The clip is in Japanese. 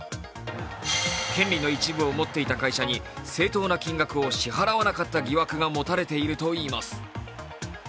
権利の一部を持っていた会社に正当な金額を支払わなかった疑惑が持たれているといいます。